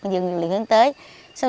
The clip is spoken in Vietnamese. dược liệu hướng tới